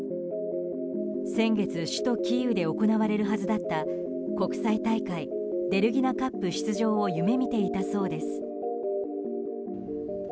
先月、首都キーウで行われるはずだった国際大会デルギナカップ出場を夢見ていたそうです。